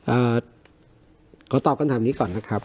เอ่อขอตอบคำถามนี้ก่อนนะครับ